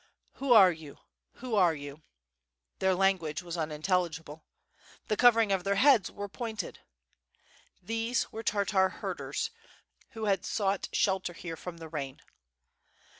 "Who are you, who are you?" Their language was unintelligible. The covering of their heads were pointed. These were Tartar herders, who had sought shelter here from the rain.